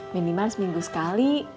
minimal seminggu sekali